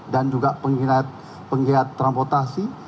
dan juga penggiat penggiat transportasi